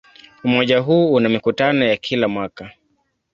Umoja huu una mikutano ya kila mwaka.